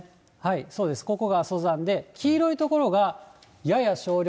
そうです、ここが阿蘇山で、黄色い所が、やや少量。